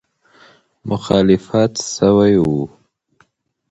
مخالفت سوی وو.